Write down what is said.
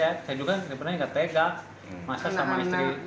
saya juga sebenarnya enggak pegang masalah sama istri